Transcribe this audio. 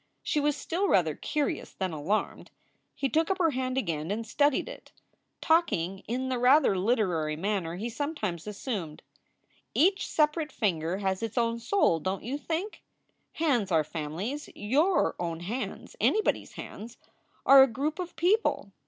She was still rather curious than alarmed. He took up her hand again and studied it, talking in the rather liter ary manner he sometimes assumed: "Each separate finger has its own soul, don t you think? Hands are families. Your own hands anybody s hands are a group of people.